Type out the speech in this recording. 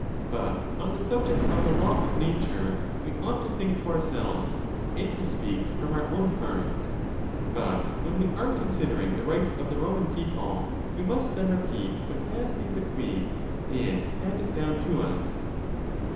But, on the subject of the law of nature, we ought to think to ourselves, and to speak from our own hearts; but when we are considering the rights of the Roman people, we must then repeat what has Peen bequeathed and handed down to us.